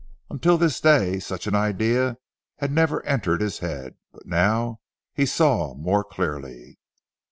Until this day such an idea had never entered his head: but now he saw more clearly.